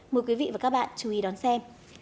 mời quý vị và các bạn chú ý đón xem